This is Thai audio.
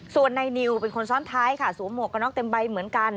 ส่วนในนิวเป็นคนซ้อนท้ายค่ะสวมหวกกระน็อกเต็มใบเหมือนกัน